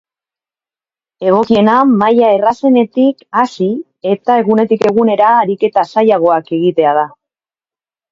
Egokiena, maila errazenetik hasi eta egunetik egunera ariketa zailagoak egitea da.